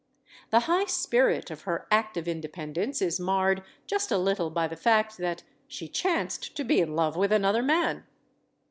The high spirit of her act of independence is marred just a little by the fact that she chanced to be in love with another man.